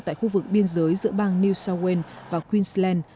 tại khu vực biên giới giữa bang new south wales và queensland